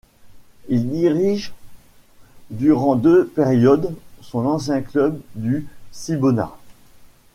Il dirige durant deux périodes son ancien club du Cibona.